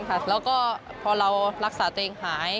แล้วก็พอเรารักษาตัวเองหาย